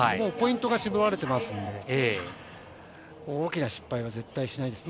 ポイントは絞られていますので、大きな失敗は絶対しない。